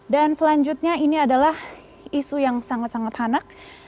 dan selanjutnya ini adalah isu yang sangat sangat hanak